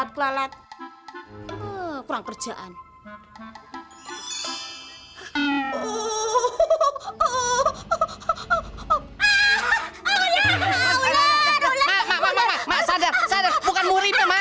kamu ngapain sih meluk meluk aku